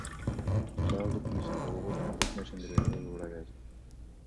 Сага көп нерсени кылууга жана көп нерсени үйрөнүүгө туура келет.